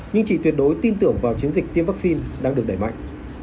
nhưng chị tuyệt đối tin tưởng vào chiến dịch tiêm vaccine đang được đẩy mạnh